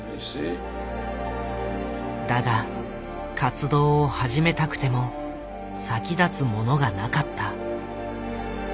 だが活動を始めたくても先立つものがなかった。